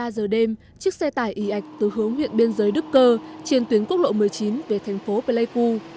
một mươi giờ đêm chiếc xe tải y ạch từ hướng huyện biên giới đức cơ trên tuyến quốc lộ một mươi chín về thành phố pleiku